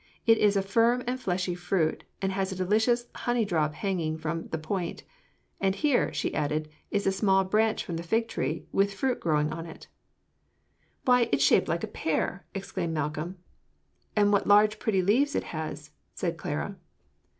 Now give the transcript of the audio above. It is a firm and fleshy fruit, and has a delicious honey drop hanging from the point.' And here," she added, "is a small branch from the fig tree, with fruit growing on it." "Why, it's shaped like a pear!" exclaimed Malcolm. "And what large, pretty leaves it has!" said Clara.